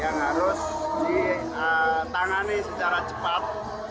yang harus ditangani secara cepat